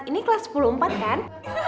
ini kelas sepuluh empat kan